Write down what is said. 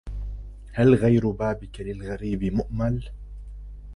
هل غير بابك للغريب مؤمل